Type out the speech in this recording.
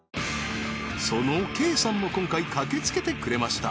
そのＫさんも今回駆けつけてくれました